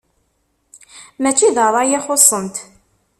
Mačči d ṛṛay i xuṣṣent.